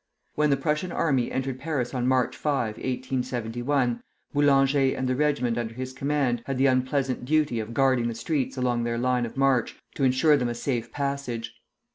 When the Prussian army entered Paris on March 5, 1871, Boulanger and the regiment under his command had the unpleasant duty of guarding the streets along their line of march to insure them a safe passage.